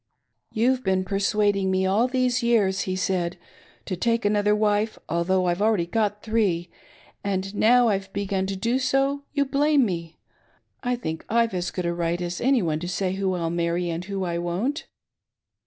'You've been, persuading me all these years,' he said, ' to take another wife, although I've already got three, and now I've begun to do so you blame me. I think I've as good a right as any one to say who I'll marry and who I won't.'